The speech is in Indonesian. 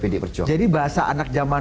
pd perjuangan jadi bahasa anak jaman